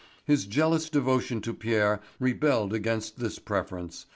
His jealous devotion to Pierre rebelled against this preference.